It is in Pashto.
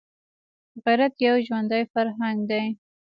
غیرت یو ژوندی فرهنګ دی